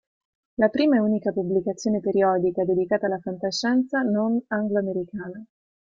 La prima e unica pubblicazione periodica dedicata alla fantascienza non angloamericana.